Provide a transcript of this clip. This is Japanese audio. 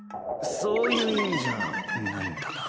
そういう意味じゃないんだが。